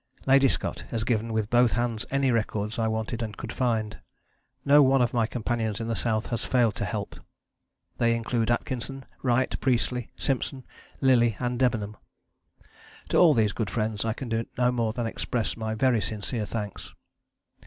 Lady Scott has given with both hands any records I wanted and could find. No one of my companions in the South has failed to help. They include Atkinson, Wright, Priestley, Simpson, Lillie and Debenham. To all these good friends I can do no more than express my very sincere thanks.